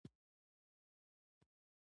لاهوریان بیا وایي.